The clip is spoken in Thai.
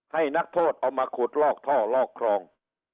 นักโทษเอามาขุดลอกท่อลอกครอง